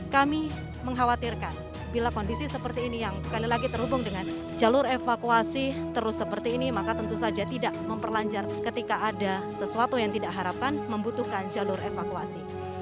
kami mengkhawatirkan bila kondisi seperti ini yang sekali lagi terhubung dengan jalur evakuasi terus seperti ini maka tentu saja tidak memperlanjar ketika ada sesuatu yang tidak harapkan membutuhkan jalur evakuasi